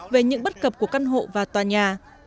về những bất cập của căn hộ và tòa nhà